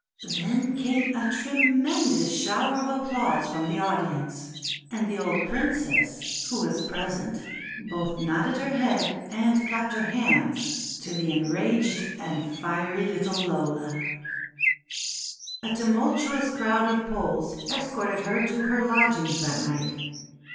Then came a tremendous shower of applause from the audience, and the old Princess, who was present, both nodded her head and clapped her hands to the enraged and fiery little Lola." A tumultuous crowd of Poles escorted her to her lodgings that night.